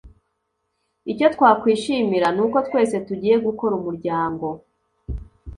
icyo twakwishimira ni uko twese tugiye gukora umuryango